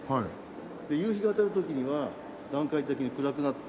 で夕日が当たる時には段階的に暗くなって。